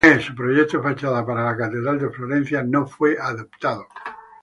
Su proyecto de fachada para la catedral de Florencia no fue adoptado.